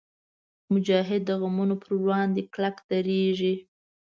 مجاهد د غمونو پر وړاندې کلک درېږي.